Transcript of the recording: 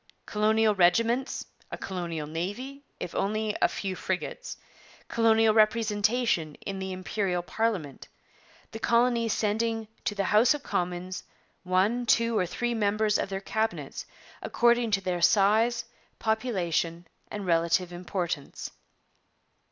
Colonial regiments; a colonial navy, if only of a few frigates; colonial representation in the Imperial parliament, the colonies sending 'to the House of Commons one, two, or three members of their cabinets, according to their size, population, and relative importance.'